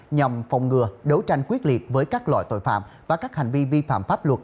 nhằm phòng ngừa đấu tranh quyết liệt với các loại tội phạm và các hành vi vi phạm pháp luật